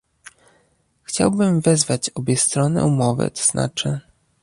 Chciałbym wezwać obie strony umowy, tzn